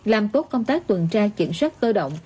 làm tốt công tác tuần tra kiểm soát cơ động